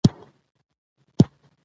راشد خان وايي، "ښه کرېکټ مو ونه کړ"